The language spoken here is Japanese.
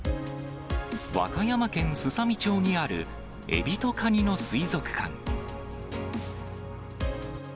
和歌山県すさみ町にあるエビとカニの水族館。